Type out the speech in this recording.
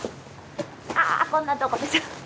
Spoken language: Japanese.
ああこんなとこで。